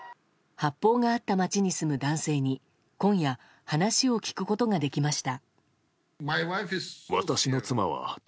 発砲があった街に住む男性に今夜、話を聞くことができました。